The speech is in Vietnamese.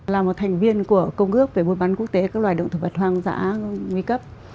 là một thành viên của công ước về buôn bán quốc tế các loài động thực vật hoang dã nguy cấp